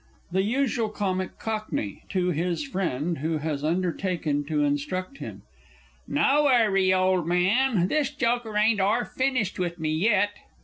_ THE USUAL COMIC COCKNEY (to his Friend, who has undertaken to instruct him). No 'urry, old man this joker ain't arf finished with me yet!